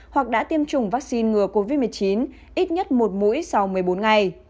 hoặc đã tiêm chủng vaccine ngừa covid một mươi chín ít nhất một mũi sau một mươi bốn ngày